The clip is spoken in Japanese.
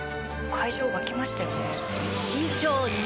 「会場沸きましたよね」